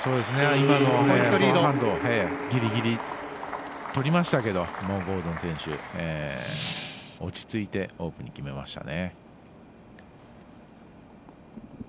今のギリギリとりましたけどゴードン選手、落ち着いてオープンに決めましたね。